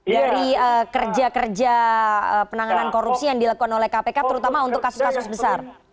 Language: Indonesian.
dari kerja kerja penanganan korupsi yang dilakukan oleh kpk terutama untuk kasus kasus besar